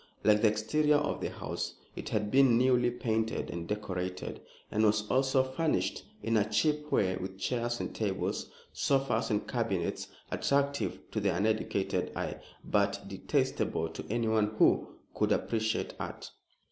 Like the exterior of the house, it had been newly painted and decorated, and was also furnished in a cheap way with chairs and tables, sofas and cabinets attractive to the uneducated eye, but detestable to anyone who could appreciate art.